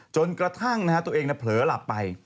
จนกระทั่งตัวเองเผลอหลับไป